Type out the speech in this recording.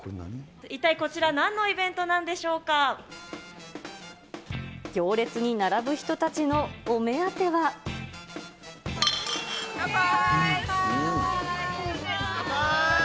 一体こちら、なんのイベントなん行列に並ぶ人たちのお目当て乾杯。